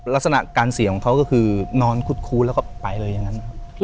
ลักษณะการเสียของเขาก็คือนอนคุดคู้แล้วก็ไปเลยอย่างนั้น